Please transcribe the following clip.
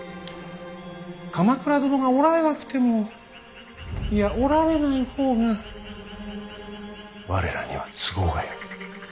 鎌倉殿がおられなくてもいやおられない方が我らには都合がよい。